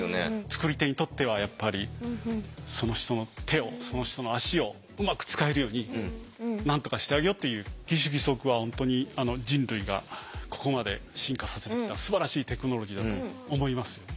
作り手にとってはやっぱりその人の手をその人の足をうまく使えるようになんとかしてあげようっていう義手義足は本当に人類がここまで進化させてきたすばらしいテクノロジーだと思いますよ。